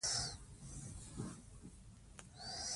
زړه د ستاینې لپاره دوه څپه ایز دی.